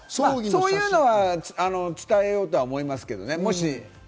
そういうのは伝えようと思いますけどね。